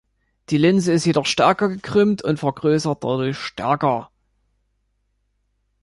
Die Linse ist jedoch stärker gekrümmt und vergrößert dadurch stärker.